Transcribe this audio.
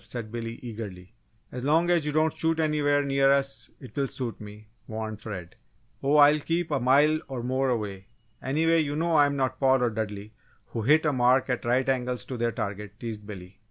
said Billy, eagerly. "As long as you don't shoot anywhere near us, it will suit me," warned Fred. "Oh, I'll keep a mile or more away anyway, you know I am not Paul or Dudley, who hit a mark at right angles to their target!" teased Billy.